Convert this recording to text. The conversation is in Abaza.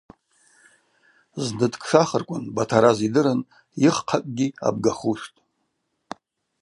Зны дкшахырквын, Батараз йдырын, йыххъакӏгьи абгахуштӏ.